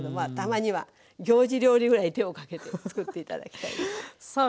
あたまには行事料理ぐらい手をかけて作って頂きたいです。